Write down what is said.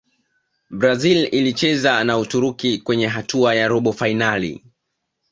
brazil ilicheza na Uturuki kwenye hatua ya robo fainali